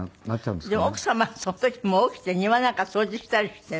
でも奥様その時もう起きて庭なんか掃除したりしてる。